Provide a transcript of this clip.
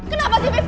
kenapa sih afif